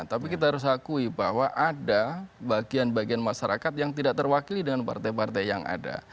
tapi kita harus akui bahwa ada bagian bagian masyarakat yang tidak terwakili dengan partai partai yang ada